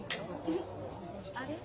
あれ？